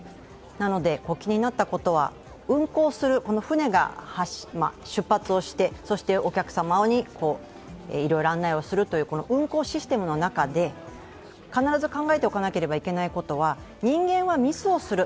なので、気になったことは運航する船が出発をしてそしてお客様にいろいろ案内をするという運航システムの中で必ず考えておかなければいけないことは人間はミスをする。